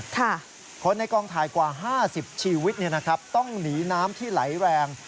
คนในกองถ่ายกว่า๕๐ชีวิตต้องหนีน้ำที่ไหลแรง